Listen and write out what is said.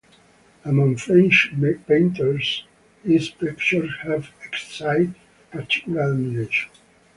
Among French painters, his pictures have excited particular admiration.